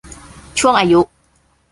ช่วงอายุ